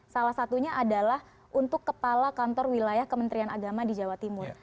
salah satunya adalah untuk kepala kantor wilayah kementerian agama di jawa timur